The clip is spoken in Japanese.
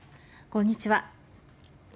こんにちは。